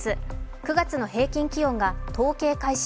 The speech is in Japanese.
９月の平均気温が統計開始